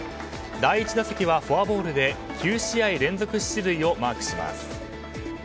第１打席はフォアボールで９試合連続出塁をマークします。